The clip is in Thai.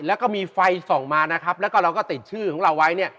แล้วก็มีไฟส่องมานะครับแล้วก็เราก็ติดชื่อของเราไว้เนี่ย